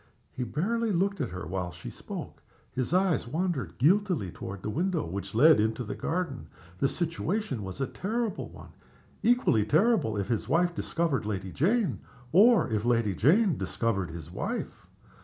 He barely looked at her while she spoke. His eyes wandered guiltily toward the window which led into the garden. The situation was a terrible one equally terrible if his wife discovered Lady Jane, or if Lady Jane discovered his wife.